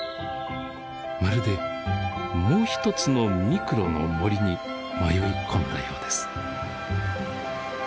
まるでもう一つのミクロの森に迷い込んだようです。